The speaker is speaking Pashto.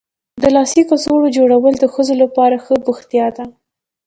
د لاسي کڅوړو جوړول د ښځو لپاره ښه بوختیا ده.